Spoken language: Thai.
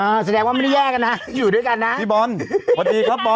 แสดงว่าไม่ได้แยกกันนะอยู่ด้วยกันนะพี่บอลพอดีครับบอล